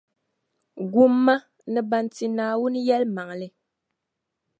Gum ma, ni ban ti Naawuni yɛlimaŋli.